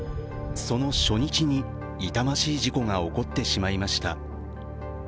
その初日に痛ましい事故が起こってしまいました。